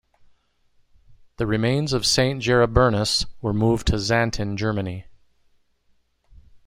The remains of Saint Gerebernus were moved to Xanten, Germany.